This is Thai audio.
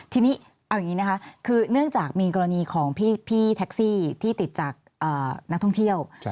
ทีนี้เอาอย่างนี้นะคะคือเนื่องจากมีกรณีของพี่แท็กซี่ที่ติดจากนักท่องเที่ยว